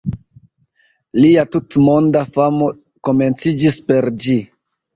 Lia tutmonda famo komenciĝis per ĝi.